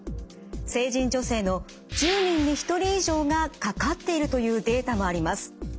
成人女性の１０人に１人以上がかかっているというデータもあります。